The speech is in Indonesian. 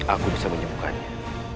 aku bisa menyembuhkannya